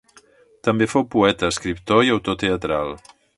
També fou poeta, escriptor i autor teatral.